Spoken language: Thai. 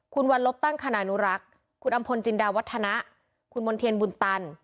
คุณวันลบตั้งคณะอนุรักษ์คุณอำพลจินดาวัฒนะคุณมณ์เทียนบุญตัน